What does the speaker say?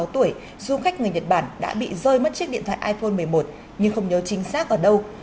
sáu mươi tuổi du khách người nhật bản đã bị rơi mất chiếc điện thoại iphone một mươi một nhưng không nhớ chính xác ở đâu